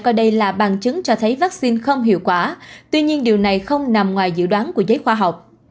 coi đây là bằng chứng cho thấy vaccine không hiệu quả tuy nhiên điều này không nằm ngoài dự đoán của giới khoa học